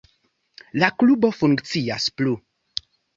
La klubo funkcias plu.